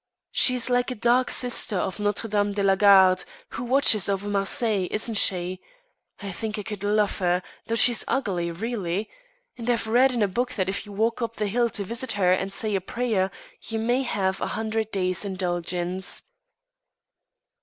"She's like a dark sister of Notre Dame de la Garde, who watches over Marseilles, isn't she? I think I could love her, though she's ugly, really. And I've read in a book that if you walk up the hill to visit her and say a prayer, you may have a hundred days' indulgence."